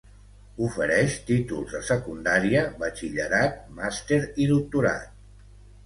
Ofereix títols de secundària, batxillerat, màster i doctorat.